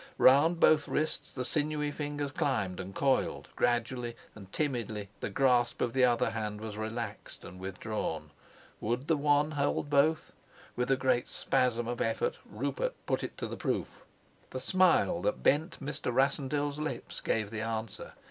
Round both wrists the sinewy fingers climbed and coiled; gradually and timidly the grasp of the other hand was relaxed and withdrawn. Would the one hold both? With a great spasm of effort Rupert put it to the proof. The smile that bent Mr. Rassendyll's lips gave the answer.